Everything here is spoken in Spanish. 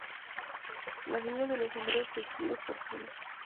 La fibra de los sombreros tejió fortunas.